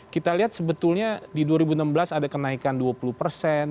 kita lihat sebetulnya di dua ribu enam belas ada kenaikan dua puluh persen